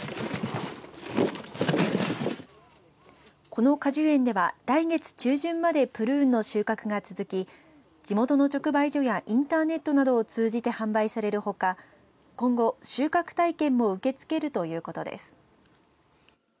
この果樹園では、来月中旬までプルーンの収穫が続き地元の直売所やインターネットなどを通じて販売されるほか今後、収穫体験も受け付けるということです。